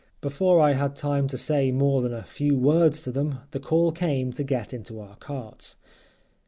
Before I had time to say more than a few words to them the call came to get into our carts.